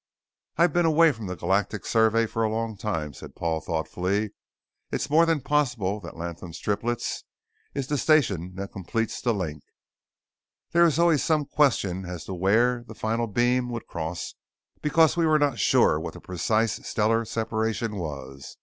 "I've been away from the Galactic Survey for a long time," said Paul thoughtfully. "It's more than possible that Latham's Triplets is the station that completes the link. There is always some question as to where the final beam would cross because we were not sure what the precise stellar separation was.